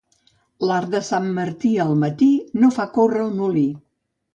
L'arc de sant Martí al matí no fa córrer el molí.